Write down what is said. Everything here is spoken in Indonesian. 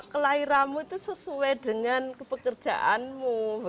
kelahiranmu itu sesuai dengan kepekerjaanmu